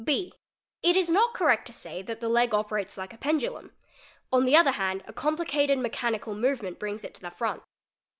(0) It is not correct to say that the leg operates like a pendulum; on the other hand a complicated mechanical movement brings it to the — front.